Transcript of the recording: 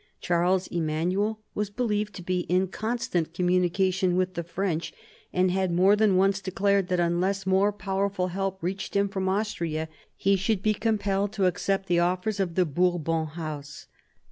Charles Emanuel was be lieved to be in constant communication with the French, and had more than once declared that unless more powerful help reached him from Austria, he should be 48 MARIA THERESA ohap. hi compelled to accept the offers of the Bourbon House.